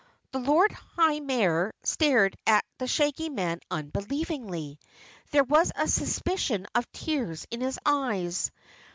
The Lord High Mayor stared at the Shaggy Man unbelievingly. There was a suspicion of tears in his eyes.